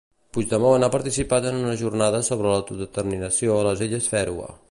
Puigdemont ha participat en unes jornades sobre l'autodeterminació a les Illes Fèroe.